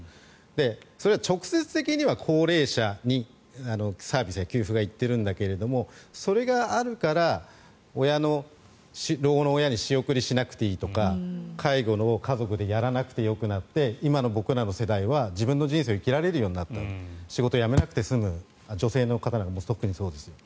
それは直接的には高齢者にサービスや給付が行ってるんだけどそれがあるから老後の親に仕送りしなくていいとか介護を家族でやらなくてよくなって今の僕らの世代は自分の人生を生きられるようになった仕事を辞めなくて済む女性の方なんかは特にそうです。